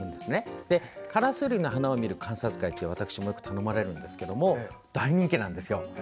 カラスウリの花を見る観察会って私もよく頼まれるんですが大人気なんですよ。